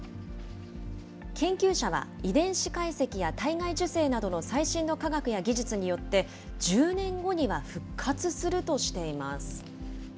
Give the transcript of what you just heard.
研究者は、遺伝子解析や体外受精などの最新の科学や技術によって、１０年後には復活するとしています。